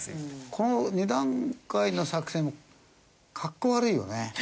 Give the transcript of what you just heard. この２段階の作戦かっこ悪いよね。